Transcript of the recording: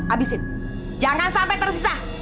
abisin jangan sampai tersisa